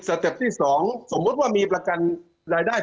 เต็ปที่๒สมมุติว่ามีประกันรายได้